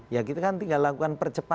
ya kita kan tinggal lakukan percepatan